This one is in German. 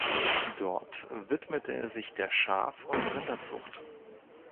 Dort widmete er sich der Schaf- und Rinderzucht.